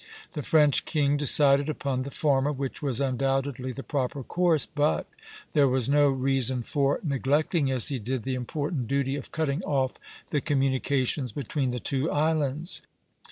The French king decided upon the former, which was undoubtedly the proper course; but there was no reason for neglecting, as he did, the important duty of cutting off the communications between the two islands.